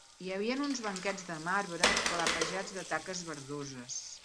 Hi havien uns banquets de marbre, clapejats de taques verdoses